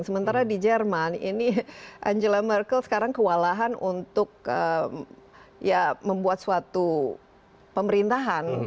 sementara di jerman ini angela merkel sekarang kewalahan untuk membuat suatu pemerintahan